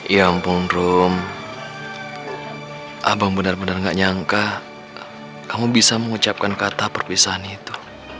ya ampun rum abang benar benar gak nyangka kamu bisa mengucapkan kata perpisahan itu